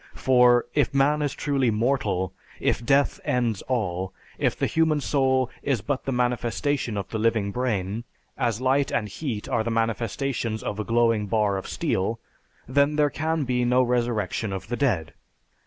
For, if man is truly mortal, if death ends all, if the human soul is but the manifestation of the living brain, as light and heat are the manifestations of a glowing bar of steel, then there can be no resurrection of the dead.